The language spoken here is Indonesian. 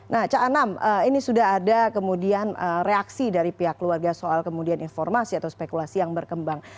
nah cak anam ini sudah ada kemudian reaksi dari pihak keluarga soal kemudian informasi atau spekulasi yang berkembang